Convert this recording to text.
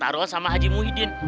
taruhan sama haji muhyiddin